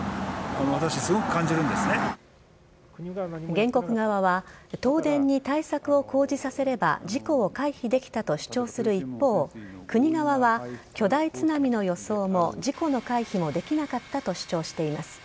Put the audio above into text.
原告側は東電に対策を講じさせれば事故を回避できたと主張する一方国側は巨大津波の予想も事故の回避もできなかったと主張しています。